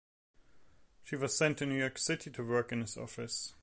She was sent to New York City to work in his office.